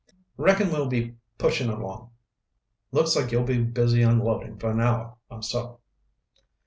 Reckon we'll be pushing along. Looks like you'll be busy unloading for an hour or so."